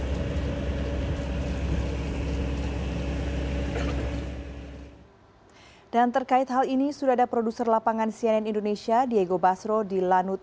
hai dan terkait hal ini sudah ada produser lapangan cnn indonesia diego basro di lanut